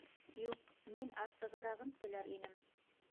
Юҡ, мин асығырағын теләр инем